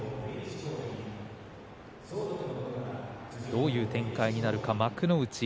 どういう展開になるか、幕内